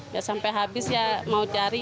ya sampai habis ya mau cari